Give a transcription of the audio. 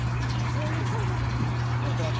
そういう作業もずっと。